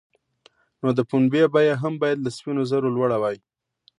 نو د پنبې بیه هم باید له سپینو زرو لوړه وای.